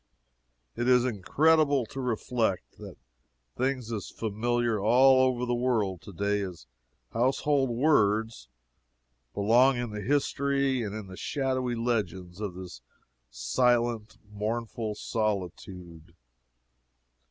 It is incredible to reflect that things as familiar all over the world to day as household words, belong in the history and in the shadowy legends of this silent, mournful solitude.